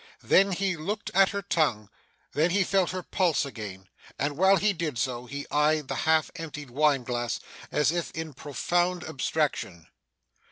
Then he looked at her tongue, then he felt her pulse again, and while he did so, he eyed the half emptied wine glass as if in profound abstraction.